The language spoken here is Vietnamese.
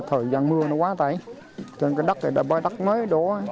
thời gian mưa nó quá tải trên cái đất này là bãi đất mới đó